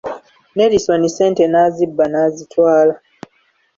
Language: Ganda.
Nelisoni sente n'azibba n'azitwala!